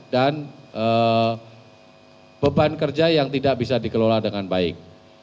dan beban kerja yang tidak bisa dikelola dengan baik